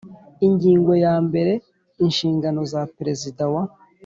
Ingingo ya mbere Inshingano za Perezida wa